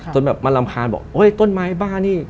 จนแบบมันรำคาญบอกโอ๊ยต้นไม้บ้านี่